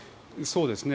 そうですね。